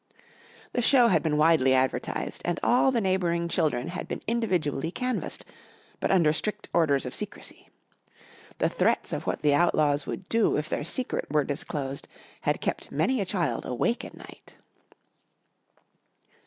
The show had been widely advertised and all the neighbouring children had been individually canvassed, but under strict orders of secrecy. The threats of what the Outlaws would do if their secret were disclosed had kept many a child awake at night.